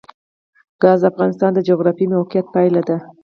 ګاز د افغانستان د جغرافیایي موقیعت پایله ده.